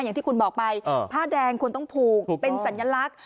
อย่างที่คุณบอกไปผ้าแดงควรต้องผูกเป็นสัญลักษณ์